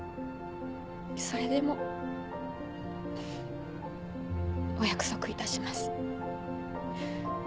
それでもお約束いたします。